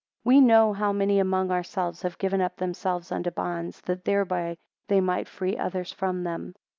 20 We know how many among ourselves, have given up themselves unto bonds, that thereby they might free others from them.